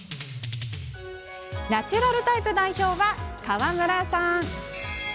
ナチュラルタイプ代表は川村さん。